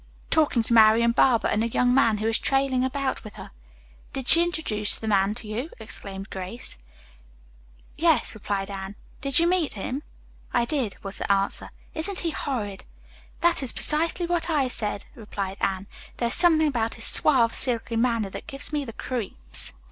"Talking to Marian Barber and a young man who is trailing about with her." "Did she introduce that man to you?" exclaimed Grace. "Yes," replied Anne. "Did you meet him?" "I did," was the answer. "Isn't he horrid?" "That is precisely what I said," replied Anne. "There is something about his suave, silky manner that gives me the creeps."